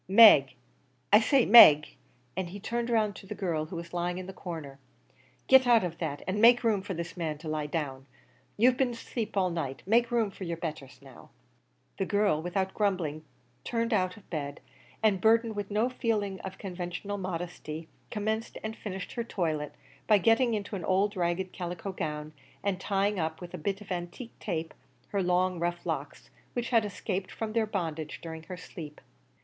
Meg! I say, Meg," and he turned round to the girl who was lying in the corner "get out of that, an' make room for this man to lie down. You've been asleep all night; make room for yer betthers now." The girl, without grumbling, turned out of bed, and burthened with no feeling of conventional modesty, commenced and finished her toilet, by getting into an old ragged calico gown, and tying up, with a bit of antique tape, her long rough locks which had escaped from their bondage during her sleep.